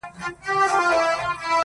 او خپل درد بيانوي خاموشه,